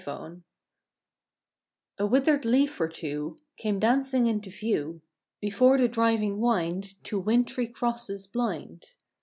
THE DANCE A WITHERED leaf or two Came dancing into view Before the driving wind To wintry crosses blind.